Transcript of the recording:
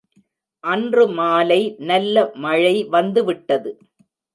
அன்று மாலை நல்ல மழை வந்துவிட்டது.